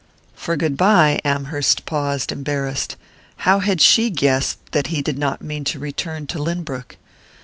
"For goodbye?" Amherst paused, embarrassed. How had she guessed that he did not mean to return to Lynbrook?